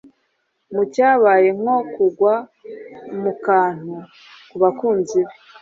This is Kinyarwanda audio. Mu cyabaye nko kugwa mu kantu ku bakunzi be,